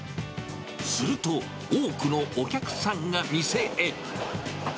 すると、多くのお客さんが店へ。